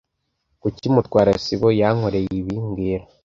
Kuki Mutwara sibo yankorera ibi mbwira